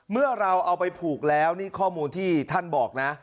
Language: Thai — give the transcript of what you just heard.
เมื่อเราเอาไปผูกแล้วนี่ข้อมูลที่ท่านบอกนะ